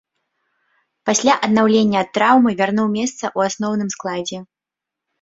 Пасля аднаўлення ад траўмы вярнуў месца ў асноўным складзе.